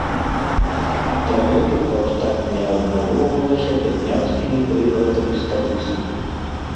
Дагэтуль паўстанне абмяжоўвалася бядняцкімі прыгарадамі сталіцы.